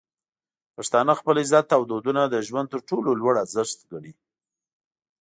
پښتانه خپل عزت او دودونه د ژوند تر ټولو لوړ ارزښت ګڼي.